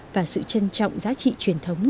và sự trân trọng giá trị truyền thống